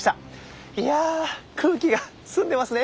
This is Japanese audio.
いや空気が澄んでますね。